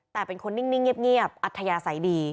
แต่เป็นคนนิ่งเงียบอัธยาศัยดี